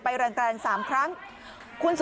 ไม่รู้อะไรกับใคร